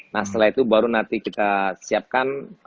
nah setelah itu baru nanti kita siapkan